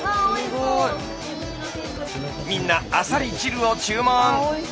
みんなアサリ汁を注文。